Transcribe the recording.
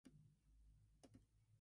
The Bro.